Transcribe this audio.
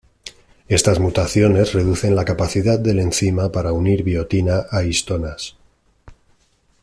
Estas mutaciones reducen la capacidad del encima para unir biotina a histonas.